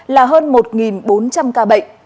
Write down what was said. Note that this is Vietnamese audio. là hơn một bốn trăm linh ca bệnh